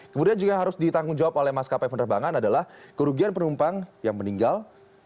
kemudian juga yang harus ditanggung jawab oleh maskapai penerbangan adalah kerugian penumpang yang meninggal